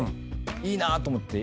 いいなと思って。